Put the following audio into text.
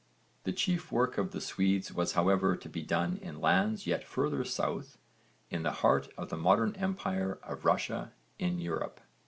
The chief work of the Swedes was however to be done in lands yet further south, in the heart of the modern empire of Russia in Europe.